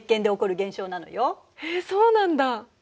えっそうなんだ！